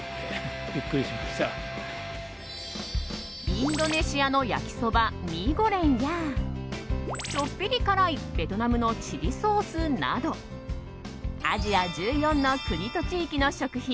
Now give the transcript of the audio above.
インドネシアの焼きそばミーゴレンやちょっぴり辛いベトナムのチリソースなどアジア１４の国と地域の食品